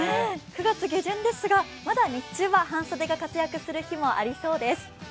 ９月下旬ですが、まだ日中は半袖が活躍する日もありそうです